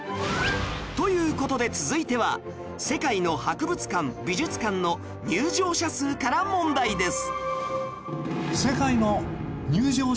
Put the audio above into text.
という事で続いては世界の博物館・美術館の入場者数から問題です。